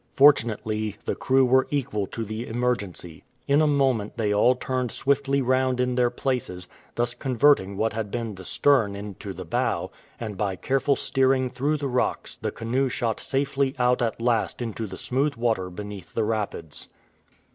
Fortunately the crew were equal to the emergency. In a moment they all turned swiftly round in their places, thus converting what had been the stern into the bow, and by careful steering through the rocks the canoe shot safely out at last into the smooth water beneath the rapids.